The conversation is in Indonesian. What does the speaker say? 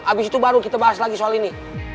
habis itu baru kita bahas lagi soal ini